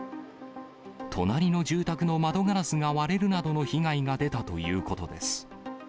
隣の住宅の窓ガラスが割れるなどの被害が出たということです。